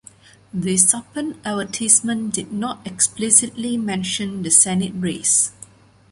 The Suppan advertisement did not explicitly mention the Senate race.